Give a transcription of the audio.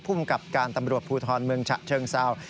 ภูมิกับการตำรวจภูทรเมืองฉะเชิงเซา